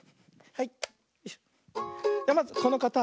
はい。